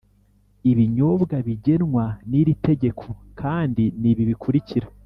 Ibinyobwa bigenwa n iri tegeko kandi nibi bikurikira